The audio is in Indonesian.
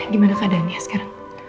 gimana keadaannya sekarang